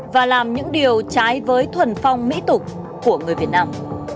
và làm những điều trái với thuần phong mỹ tục của người việt nam